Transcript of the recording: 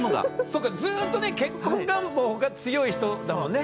そっかずっとね結婚願望が強い人だもんね。